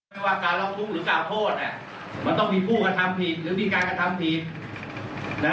ไม่ว่าการร้องทุกข์หรือกล่าวโทษเนี่ยมันต้องมีผู้กระทำผิดหรือมีการกระทำผิดนะ